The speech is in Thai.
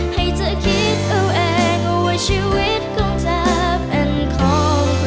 ให้เธอคิดเอาเองว่าชีวิตของเธอเป็นของเธอ